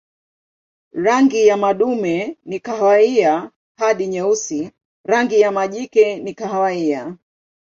Rangi ya madume ni kahawia hadi nyeusi, rangi ya majike ni kahawia.